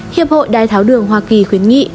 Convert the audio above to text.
hiệp hội đài tháo đường hoa kỳ khuyến nghị